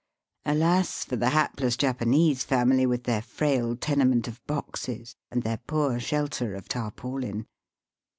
Alas for the hapless Japanese family with their frail tenement of boxes, and their poor shelter of tarpaulin